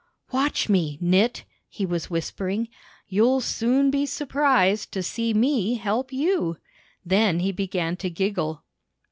''Watch me, Knit," he was whispering, "you'll soon be surprised to see me help you." Then he began to giggle.